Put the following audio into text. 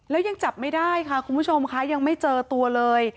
แล้วยังจับไม่ได้ค่ะคุณผู้ชมค่ะยังไม่เจอตัวเลย